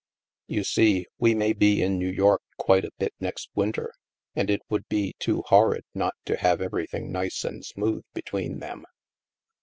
You see, we may be in New York quite a bit next winter, and it would be too horrid not to have everything nice and smooth between them."